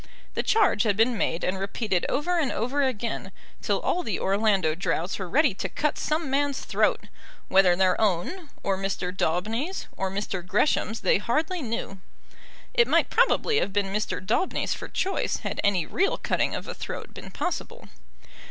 The charge had been made and repeated over and over again, till all the Orlando Droughts were ready to cut some man's throat, whether their own, or Mr. Daubeny's, or Mr. Gresham's, they hardly knew. It might probably have been Mr. Daubeny's for choice, had any real cutting of a throat been possible.